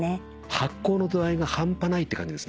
発酵の度合いが半端ないって感じですね。